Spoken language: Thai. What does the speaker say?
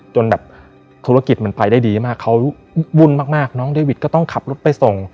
จนแบบธุรกิจมันไปได้ดีมากเขาวุ่นมากน้องเดวิดก็ต้องขับรถไปส่ง